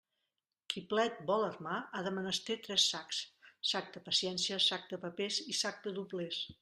Qui plet vol armar ha de menester tres sacs; sac de paciència, sac de papers i sac de doblers.